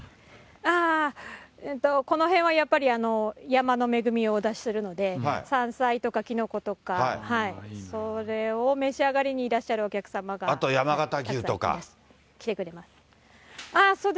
この辺はやっぱり山の恵みをお出ししてるので、山菜とかキノコとか、それを召し上がりにいらっしゃるお客様がたくさん来てくれます。